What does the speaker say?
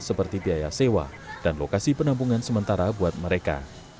seperti biaya sewa dan lokasi penampungan sementara buat mereka